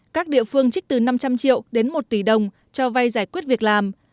các địa phương trích từ năm trăm linh triệu đến một tỷ đồng cho vay giải quyết việc làm